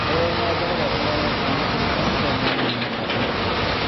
われわれの頭では考えられなくても、もっとべつの世界の人には、わけもないことかもしれないのだからね。